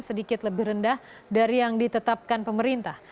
sedikit lebih rendah dari yang ditetapkan pemerintah